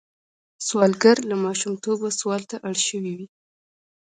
سوالګر له ماشومتوبه سوال ته اړ شوی وي